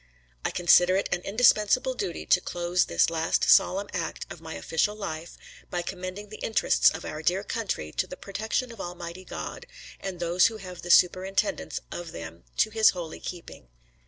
I consider it an indispensable duty to close this last solemn act of my official life by commending the interests of our dearest country to the protection of Almighty God, and those who have the superintendence of them to His holy keeping.